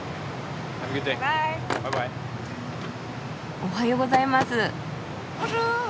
おはようございます。